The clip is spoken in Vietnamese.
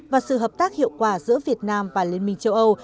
và sự hợp tác hiệu quả giữa việt nam và liên minh châu âu